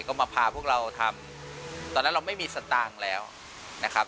ก็มาพาพวกเราทำตอนนั้นเราไม่มีสตางค์แล้วนะครับ